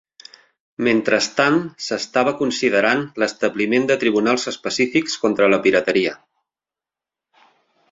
Mentrestant s'estava considerant l'establiment de tribunals específics contra la pirateria.